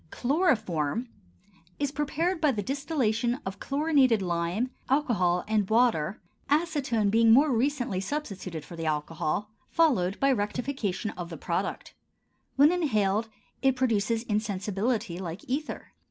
CHLOROFORM is prepared by the distillation of chlorinated lime, alcohol, and water, acetone being more recently substituted for the alcohol, followed by rectification of the product. When inhaled it produces insensibility like ether.